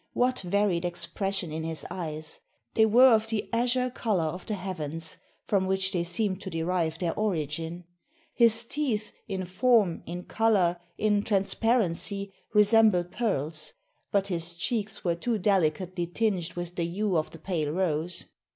What varied expression in his eyes! They were of the azure colour of the heavens, from which they seemed to derive their origin. His teeth, in form, in colour, in transparency, resembled pearls; but his cheeks were too delicately tinged with the hue of the pale rose.